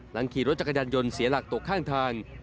ขี่รถจักรยานยนต์เสียหลักตกข้างทาง